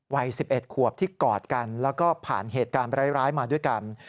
วัย๑๑ขวบที่กอดกันแล้วก็ผ่านเหตุการณ์ร้ายมาด้วยกัน